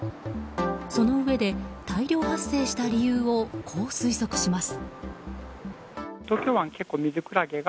そのうえで、大量発生した理由をこう推測します。